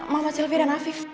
mama sylvia dan afif